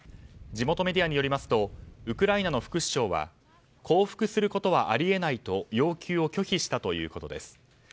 地元メディアによりますとウクライナの副首相は降伏することはあり得ないと要求を拒否したということです。